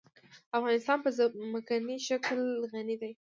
افغانستان په ځمکنی شکل غني دی.